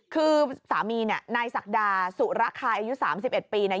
คือสามีนายศักรรณ์สุรคาอายุ๓๑ปี